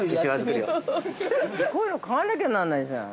◆こういうの買わなきゃなんないじゃん。